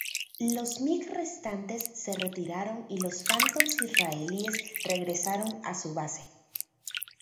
Los MiG restantes se retiraron y los Phantoms israelíes regresaron a su base.